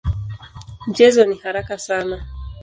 Mchezo ni haraka sana.